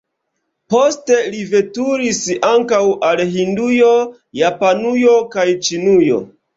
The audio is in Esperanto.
Poste li veturis ankaŭ al Hindujo, Japanujo kaj Ĉinujo.